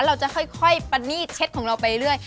เราจะค่อยปรณีตเช็ดของเราไปเรื่อย